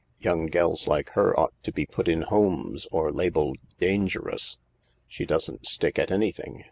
''Young gells like her ought to be put in homes, or labelled ' Dangerous.' She doesn't stick at anything.